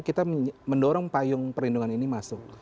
kita mendorong payung perlindungan ini masuk